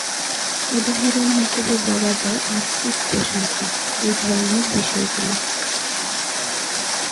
উদাহরণ হিসেবে বলা যায়, আত্মিক প্রশান্তি, এই ধরণের বিষয়গুলো।